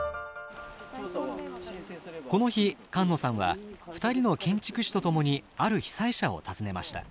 この日菅野さんは２人の建築士と共にある被災者を訪ねました。